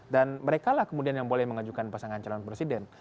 dan mereka lah kemudian yang boleh mengajukan pasangan calon presiden